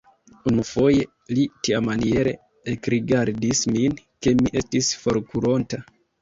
Unufoje li tiamaniere ekrigardis min, ke mi estis forkuronta.